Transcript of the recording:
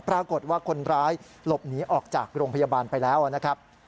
ปรากฏว่าคนร้ายหลบหนีออกจากโรงพยาบาลไปแล้วนะครับ